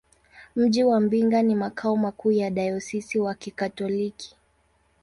Mji wa Mbinga ni makao makuu ya dayosisi ya Kikatoliki.